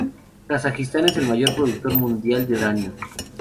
Kazajistán es el mayor productor mundial de uranio.